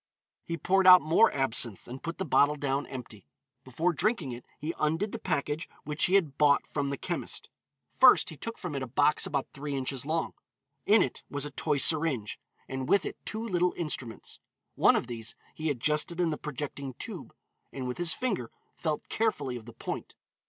He poured out more absinthe, and put the bottle down empty. Before drinking it he undid the package which he had bought from the chemist. First he took from it a box about three inches long. In it was a toy syringe, and with it two little instruments. One of these he adjusted in the projecting tube, and with his finger felt carefully of the point.